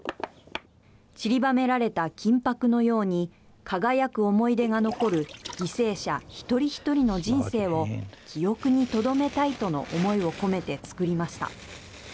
ちりばめられた金ぱくのように輝く思い出が残る犠牲者一人一人の人生を記憶にとどめたいとの思いを込めて作りました。